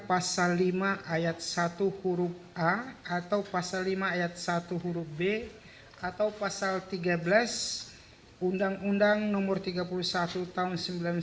pasal lima ayat satu huruf a atau pasal lima ayat satu huruf b atau pasal tiga belas undang undang nomor tiga puluh satu tahun seribu sembilan ratus sembilan puluh sembilan